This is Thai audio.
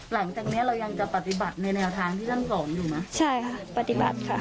หลังจากเนี้ยเรายังจะปฏิบัติในแนวทางที่ท่านสอนอยู่ไหมใช่ค่ะปฏิบัติค่ะ